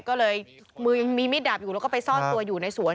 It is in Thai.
ก็เลยมือยังมีมีดดาบอยู่แล้วก็ไปซ่อนตัวอยู่ในสวน